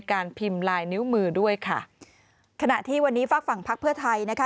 ขณะที่วันนี้ฟักฝั่งพักเพื่อไทยนะคะ